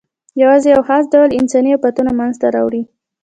یواځې یو خاص ډول یې انساني آفتونه منځ ته راوړي.